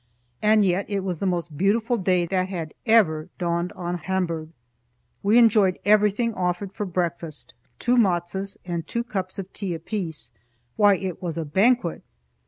And yet it was the most beautiful day that had ever dawned on Hamburg. We enjoyed everything offered for breakfast, two matzos and two cups of tea apiece why it was a banquet.